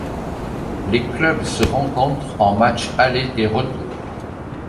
Les clubs se rencontrent en matches aller et retour.